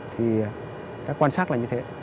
thì các quan sát là như thế